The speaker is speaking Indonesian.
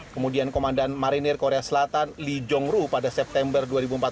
kemudian komandan marinir korea selatan lee jong ru pada september dua ribu empat belas